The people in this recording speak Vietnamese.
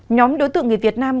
nhóm đối tượng người việt nam